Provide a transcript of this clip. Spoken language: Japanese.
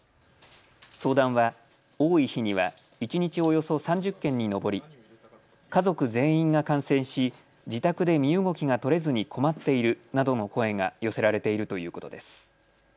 相談は多い日には一日およそ３０件に上り家族全員が感染し自宅で身動きが取れずに困っているなどの声が寄せられているということです。